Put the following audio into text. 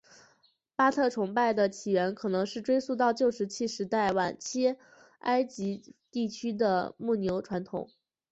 巴特崇拜的起源可能能追溯到旧石器时代晚期埃及地区的牧牛传统。